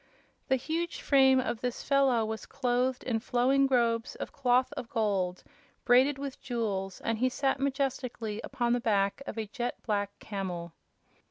The huge frame of this fellow was clothed in flowing robes of cloth of gold, braided with jewels, and he sat majestically upon the back of a jet black camel.